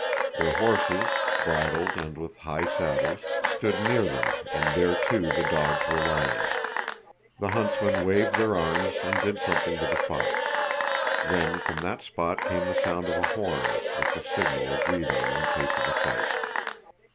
Their horses, bridled and with high saddles, stood near them and there too the dogs were lying. The huntsmen waved their arms and did something to the fox. Then from that spot came the sound of a horn, with the signal agreed on in case of a fight.